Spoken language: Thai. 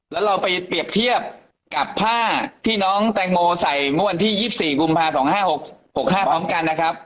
แล้วเราไปเปรียบเทียบกับผ้าที่น้องแตงโมใส่เมื่อวันที่๒๔กุมภา๒๕๖๕พร้อมกันนะครับ